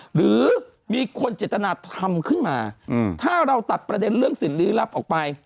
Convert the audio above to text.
หรือมีคนเจตนาทำขึ้นมาถ้าเราตัดประเด็นเรื่องสิ่งลี้ลับออกไป